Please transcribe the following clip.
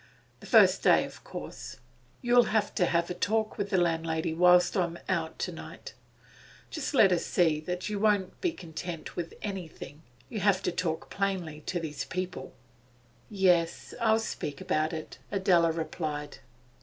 The first day, of course You'll have a talk with the landlady whilst I'm out to night. Just let her see that you won't be content with anything; you have to talk plainly to these people.' 'Yes, I'll speak about it,' Adela replied.